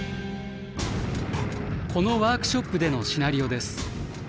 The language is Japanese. このワークショップでのシナリオです。